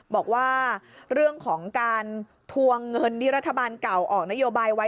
บอกว่าเรื่องของการทวงเงินที่รัฐบาลเก่าออกนโยบายไว้